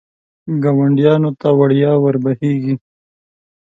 ګاونډیانو ته وړیا ور بهېږي.